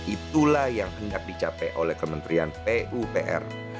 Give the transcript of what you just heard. itulah yang hendak dicapai oleh kementerian pupr